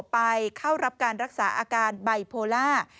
ไปเข้ารับการรักษาอาการไบโพล่า